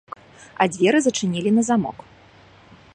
А дзверы зачынілі на замок.